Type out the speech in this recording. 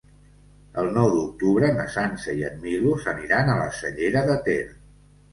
El nou d'octubre na Sança i en Milos aniran a la Cellera de Ter.